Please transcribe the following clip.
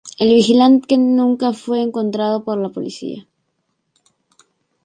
El vigilante nunca fue encontrado por la policía.